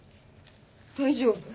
大丈夫。